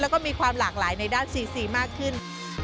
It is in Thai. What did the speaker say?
แล้วก็มีความหลากหลายในด้านซีซีมากขึ้น